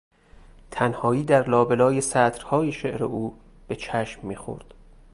تنهایی در لابلای سطرهای شعر او به چشم میخورد.